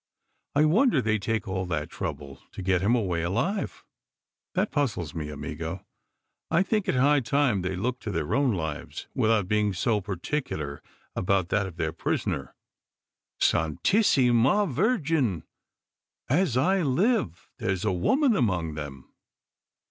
I wonder they take all that trouble to get him away alive! that puzzles me, amigo! I think it high time they looked to their own lives, without being so particular about that of their prisoner. Santissima Virgen! As I live, there's a woman among them!"